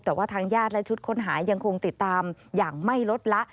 แต่ว่าทางญาติและชุดค้นหายังคงติดตามอย่างไม่ลดละ